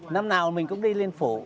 năm nào mình cũng đi liên phủ